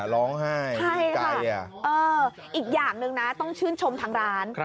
ร้องไห้ใจอีกอย่างหนึ่งนะต้องชื่นชมทางร้าน